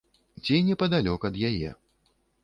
Ці непадалёк ад яе.